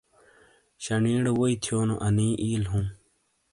شنی ڑے ووئی تھیونو انی اِیل ہُوں۔